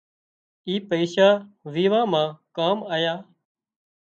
اي پئيشا ويوان مان ڪام آيا